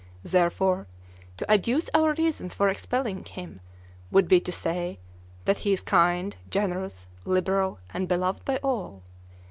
Therefore, to adduce our reasons for expelling him, would be to say that he is kind, generous, liberal, and beloved by all.